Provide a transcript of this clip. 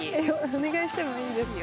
お願いしてもいいですか。